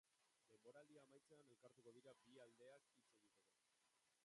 Denboraldia amaitzean elkartuko dira bi aldeak hitz egiteko.